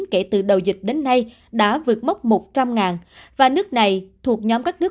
kể từ đầu dịch đến nay đã vượt mốc một trăm linh và nước này thuộc nhóm các nước